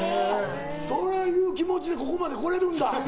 そういう気持ちでここまで来れるんだ。